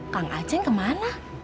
kang aceh kemana